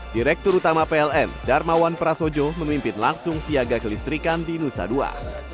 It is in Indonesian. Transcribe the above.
direktur utama pln darmawan prasojo memimpin langsung siaga kelistrikan di nusa dua